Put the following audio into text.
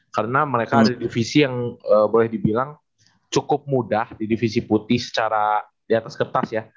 karena mereka ada divisi yang boleh dibilang cukup mudah di divisi putih secara di atas kertas ya